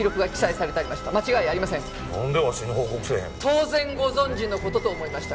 当然ご存じの事と思いましたが。